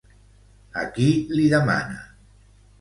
A qui li demana?